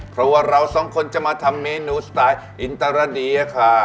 เพราะว่าเราสองคนจะมาทำเมนูสไตล์อินตราเดียค่ะ